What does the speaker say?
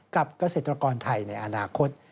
เกษตรกรไทยในอนาคต